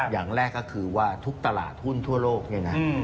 อย่างแรกก็คือว่าทุกตลาดหุ้นทั่วโลกเนี่ยนะ